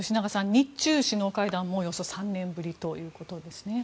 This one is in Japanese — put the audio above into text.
日中首脳会談もおよそ３年ぶりということですね。